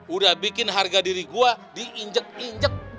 udah bikin harga diri gue diinjek injek